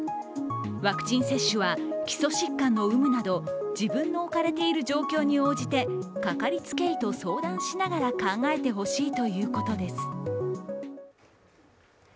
ワクチン接種は基礎疾患の有無など自分の置かれている状況に応じてかかりつけ医と相談しながら考えてほしいということです。